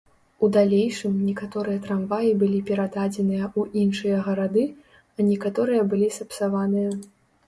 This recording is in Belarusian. У далейшым некаторыя трамваі былі перададзеныя ў іншыя гарады, а некаторыя былі сапсаваныя.